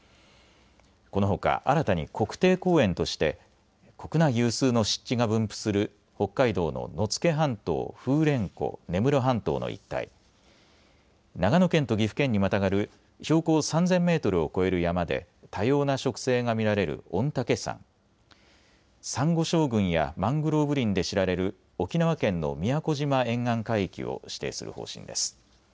このほか新たに国定公園として国内有数の湿地が分布する北海道の野付半島・風蓮湖・根室半島の一帯、長野県と岐阜県にまたがる標高３０００メートルを超える山で多様な植生が見られる御嶽山、サンゴ礁群やマングローブ林で知られる沖縄県の宮古島沿岸海域を指定する方針です。